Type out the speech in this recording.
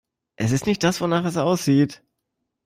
Es ist nicht das, wonach es aussieht.